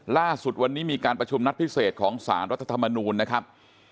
ล่าสุดวันนี้มีการประชุมนัดพิเศษของสารรัฐธรรมนูลนะครับ